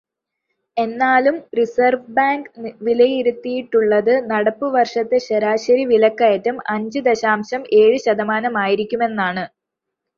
എന്നാലും reserve bank വിലയിരുത്തിയിട്ടുള്ളത് നടപ്പുവർഷത്തെ ശരാശരി വിലക്കയറ്റം അഞ്ച് ദശാംശം ഏഴ് ശതമാനമായിരിക്കുമെന്നാണ്.